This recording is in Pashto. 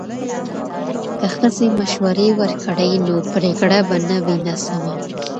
که ښځې مشورې ورکړي نو پریکړه به نه وي ناسمه.